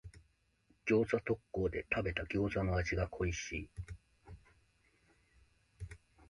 餃子特講で食べた餃子の味が恋しい。